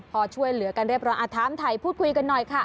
พอช่วยเหลือกันเรียบร้อยถามถ่ายพูดคุยกันหน่อยค่ะ